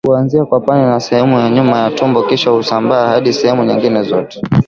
Huanzia kwapani na sehemu ya nyuma ya tumbo kisha husambaa hadi sehemu nyingine zote